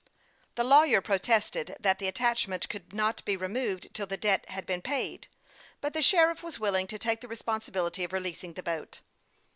The lawyer protested that the attachment could not be removed till the debt had been paid ; but the sheriff was willing to take the responsibility of releasing the boat.